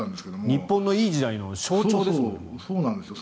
日本のいい時代の象徴ですもんね。